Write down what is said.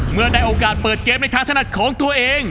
เมื่อได้โอกาสเปิดเกมในทางถนัดของตัวเอง